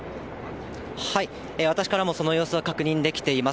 私からもその様子は確認できています。